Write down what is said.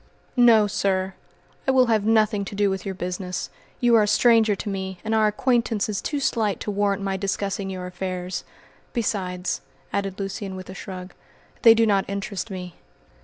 "No, sir! I will have nothing to do with your business. You are a stranger to me, and our acquaintance is too slight to warrant my discussing your affairs. Besides," added Lucian, with a shrug, "they do not interest me."